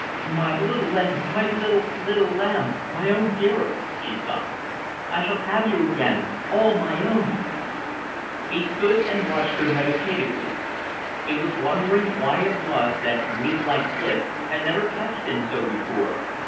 "My little lamb, my little, little lamb my own dearest!" she sobbed. "I shall have you again. I shall have you again all my own!" He stood and watched her meditatively. He was wondering why it was that grief like this had never touched him so before.